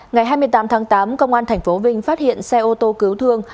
ngày hai mươi tám tháng tám công an thành phố vinh phát hiện xe ô tô cứu thương